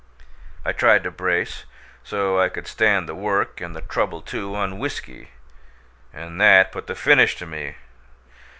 I tried to brace, so I could stand the work and the trouble too, on whiskey and that put the finish to me!